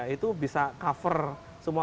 itu bisa cover semua